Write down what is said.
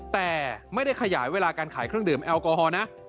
แต่ไม่ได้ขยายเวลาการขายเครื่องดื่มแอลกอฮอลนะ